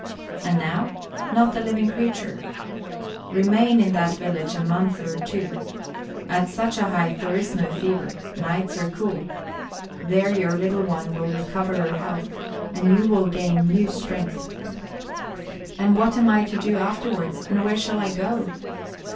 And now, not a living creature! Remain in that village a month or two. At such a height there is no fever. Nights are cool. There your little one will recover her health, and you will gain new strength." "And what am I to do afterwards, and where shall I go?"